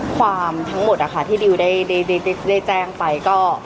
ความทั้งหมดที่ดิวได้แจ้งไปก็